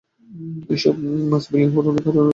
এসব মাছ বিলীন হওয়ার অনেক কারণ রয়েছে।